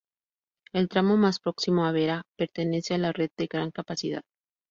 El tramo más próximo a Vera pertenece a la red de gran capacidad.